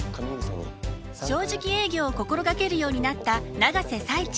正直営業を心掛けるようになった永瀬財地。